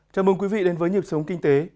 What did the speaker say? chào mừng quý vị đến với nhịp sống kinh tế